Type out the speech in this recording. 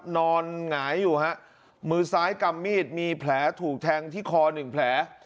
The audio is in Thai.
หงายอยู่ฮะมือซ้ายกำมีดมีแผลถูกแทงที่คอหนึ่งแผล